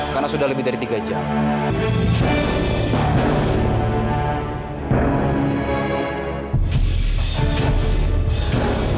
karena sudah lebih dari tiga jam